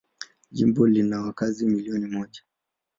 Jimbo lina wakazi milioni moja.